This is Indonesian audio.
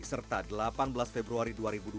serta delapan belas februari dua ribu dua puluh